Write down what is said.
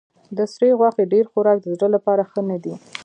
د سرې غوښې ډېر خوراک د زړه لپاره ښه نه دی.